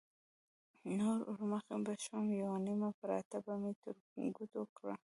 نو ورمخکې به شوم، یوه نیمه پراټه به مې تر ګوتو کړه.